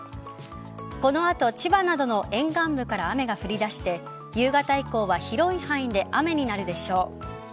この後、千葉などの沿岸部から雨が降り出して夕方以降は広い範囲で雨になるでしょう。